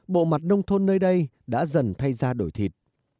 bộ mặt nông thôn nơi đây đã dần thay ra đổi thịt